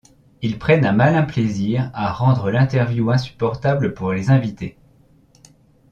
Ils prennent un malin plaisir à rendre l'interview insupportable pour les invités.